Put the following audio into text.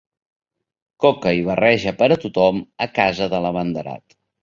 Coca i barreja per tothom a casa de l'abanderat.